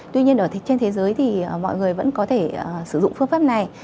tuy nhiên ở trên thế giới thì mọi người vẫn có thể sử dụng phương pháp này